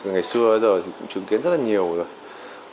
ngày xưa bây giờ thì cũng chứng kiến rất là nhiều rồi